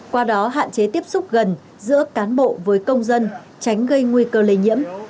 qua đó hạn chế tiếp xúc gần giữa cán bộ với công dân tránh gây nguy cơ lây nhiễm